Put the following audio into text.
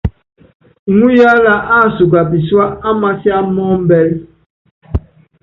Iŋúyaála ásuba pisuá á masiá mɔ́ ɔmbɛ́l.